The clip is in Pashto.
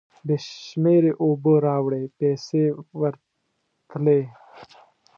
بې شمېرې اوبو راوړې پیسې ورتلې.